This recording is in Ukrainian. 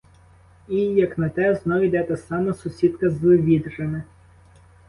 І, як на те — знов іде та сама сусідка з відрами.